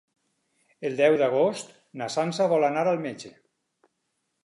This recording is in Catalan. El deu d'agost na Sança vol anar al metge.